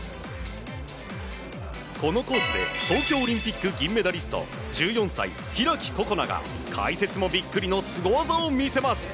このコースで東京オリンピック銀メダリスト１４歳、開心那が解説もビックリのスゴ技を見せます。